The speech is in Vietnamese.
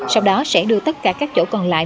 sau đó sẽ đưa tất cả các chỗ còn lại